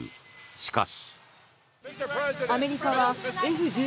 しかし。